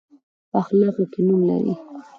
په اخلاقو کې نوم لري.